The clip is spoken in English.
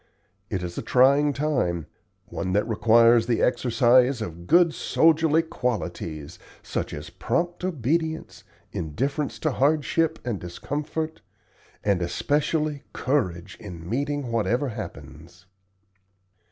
It is a trying time one that requires the exercise of good soldierly qualities, such as prompt obedience, indifference to hardship and discomfort, and especially courage in meeting whatever happens."